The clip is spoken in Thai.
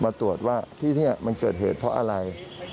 ตรวจว่าที่นี่มันเกิดเหตุเพราะอะไร